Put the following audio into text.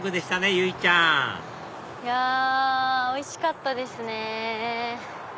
由依ちゃんいやおいしかったですね。